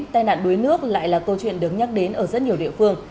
tai nạn đuối nước lại là câu chuyện được nhắc đến ở rất nhiều địa phương